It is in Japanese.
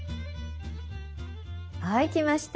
はいきました。